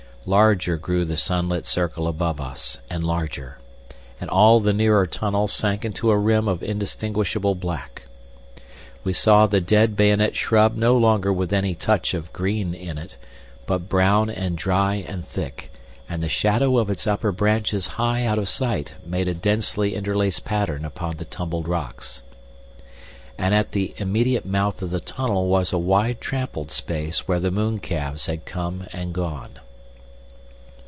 Larger grew the sunlit circle above us, and larger, and all the nearer tunnel sank into a rim of indistinguishable black. We saw the dead bayonet shrub no longer with any touch of green in it, but brown and dry and thick, and the shadow of its upper branches high out of sight made a densely interlaced pattern upon the tumbled rocks. And at the immediate mouth of the tunnel was a wide trampled space where the mooncalves had come and gone.